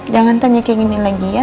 jangan tanya kayak gini lagi ya